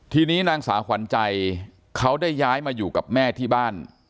ทีนี้นางสาวขวัญใจเขาได้ย้ายมาอยู่กับแม่ที่บ้าน